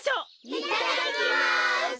いただきます！